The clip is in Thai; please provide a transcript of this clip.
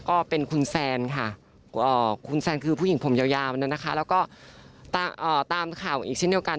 ก็เป็นคุณแซนค่ะคุณแซนคือผู้หญิงผมยาวมันนะคะแล้วก็ตามข่าวอีกเช่นเดียวกัน